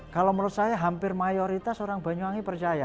kalau menurut saya hampir mayoritas orang banyuwangi percaya